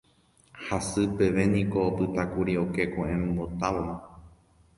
Hasy peve niko opytákuri oke ko'ẽmbotávoma.